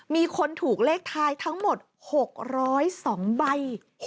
มีคนถูกเลขท้ายทั้งหมด๖๐๒ใบ